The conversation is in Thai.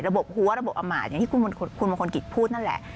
หัวระบบอำมาตอย่างที่คุณมงคลกิจพูดนั่นแหละ